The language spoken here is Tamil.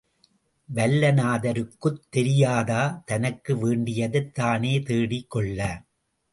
வல்லநாதருக்குத் தெரியாதா தனக்கு வேண்டியதைத் தானே தேடிக் கொள்ள.